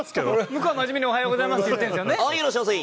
向こうは真面目に「おはようございます」って言ってるんですよね。